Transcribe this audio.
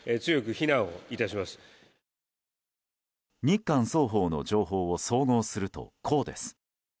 日韓双方の情報を総合するとこうです。